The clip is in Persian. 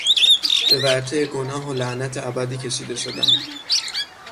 به ورطهی گناه و لعنت ابدی کشیده شدن